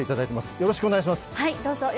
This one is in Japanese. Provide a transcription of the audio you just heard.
よろしくお願いします。